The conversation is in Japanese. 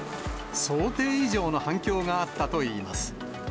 想定以上の反響があったといいます。